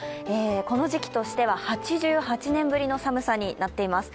この時期としては８８年ぶりの寒さになっています。